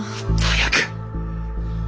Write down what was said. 早く！